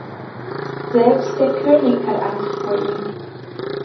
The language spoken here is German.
Selbst der König hat Angst vor ihm.